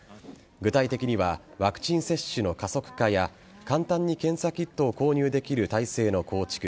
具体的にはワクチン接種の加速化や簡単に検査キットを購入できる体制の構築